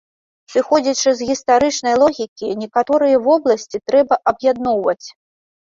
Сыходзячы з гістарычнай логікі, некаторыя вобласці трэба аб'ядноўваць.